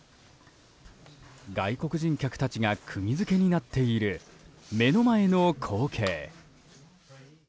外国人客たちが釘付けになっている目の前の光景。